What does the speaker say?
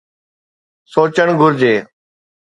سوچڻ گهرجي.